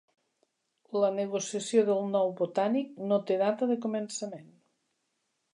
La negociació del nou Botànic no té data de començament